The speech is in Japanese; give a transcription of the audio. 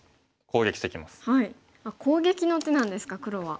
攻撃の図なんですか黒は。